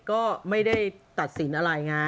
ก็ไม่ได้ตัดสินอะไรไง